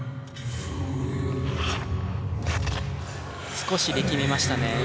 少し力みましたね。